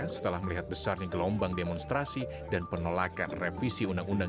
setelah melihat besarnya gelombang demonstrasi dan penolakan revisi undang undang